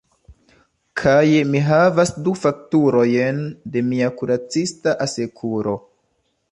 Kaj mi havas du fakturojn de mia kuracista asekuro.